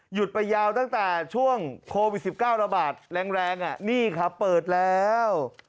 หยุดไปยาวตั้งแต่ช่วงโควิด๑๙ระบาดแรงนี่ครับเปิดแล้ว